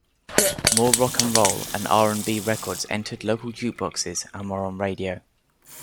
More rock'n'roll and R and B records entered local jukeboxes and were on radio.